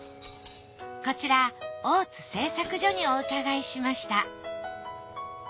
こちら大津製作所にお伺いしました。